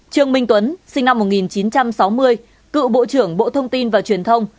trương minh tuấn sinh năm một nghìn chín trăm sáu mươi cựu bộ trưởng bộ thông tin và truyền thông